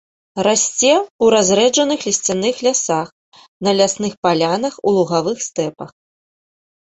Расце ў разрэджаных лісцяных лясах, на лясных палянах, у лугавых стэпах.